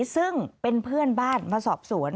ซึ่งเป็นเพื่อนบ้านมาสอบสวน